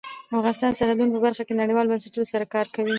افغانستان د سرحدونه په برخه کې نړیوالو بنسټونو سره کار کوي.